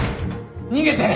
逃げて！